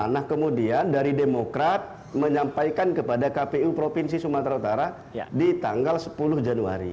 nah kemudian dari demokrat menyampaikan kepada kpu provinsi sumatera utara di tanggal sepuluh januari